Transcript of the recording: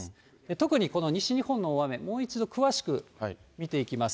特にこの西日本の大雨、もう一度詳しく見ていきます。